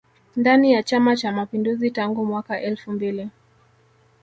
Ndani ya chama cha mapinduzi tangu mwaka elfu mbili